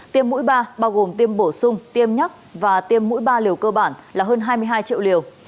tiêm mũi ba bao gồm tiêm bổ sung tiêm nhắc và tiêm mũi ba liều cơ bản là hơn hai mươi hai triệu liều